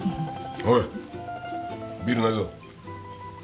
おいビールないぞ。